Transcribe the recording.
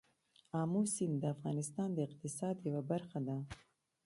آمو سیند د افغانستان د اقتصاد یوه برخه ده.